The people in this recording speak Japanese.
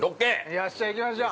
◆よっしゃ、行きましょう。